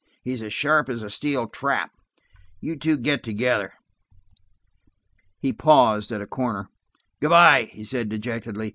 He's as sharp as a steel trap. You two get together." He paused at a corner. "Good by," he said dejectedly.